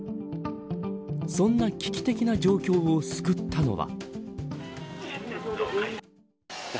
そんな危機的な状況を救ったのは。